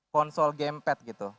konsol gamepad gitu